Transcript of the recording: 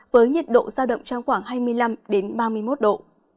với nhiệt độ giao động trong khoảng hai mươi năm ba mươi một độ